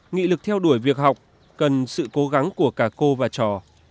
nghị lực theo đuổi việc học cần sự cố gắng của cả cô và trò